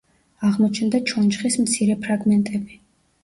აღმოჩნდა ჩონჩხის მცირე ფრაგმენტები.